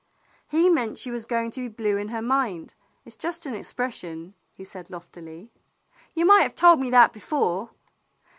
"He meant she was going to be blue in her mind. It 's just an expression," he said loftily. "You might have told me that before."